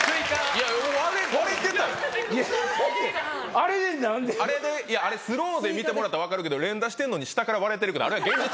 いやあれスローで見てもらったら分かるけど連打してんのに下から割れてるけどあれは現実。